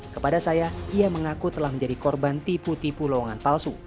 kepada saya ia mengaku telah menjadi korban tipu tipu lowongan palsu